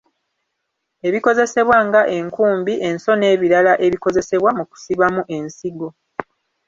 Ebikozesebwa nga enkumbi, enso n’ebirala n’ebikozesebwa mu kusibamu ensigo.